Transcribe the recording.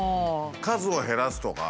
数を減らすとか。